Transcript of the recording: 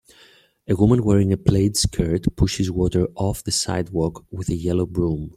a woman wearing a plaid skirt pushes water off the sidewalk with a yellow broom.